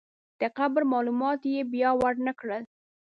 د قبر معلومات یې بیا ورنکړل.